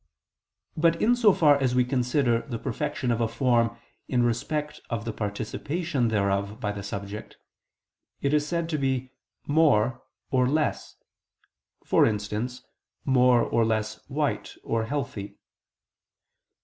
But in so far as we consider the perfection of a form in respect of the participation thereof by the subject, it is said to be "more" or "less": for instance more or less white or healthy.